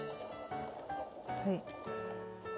はい。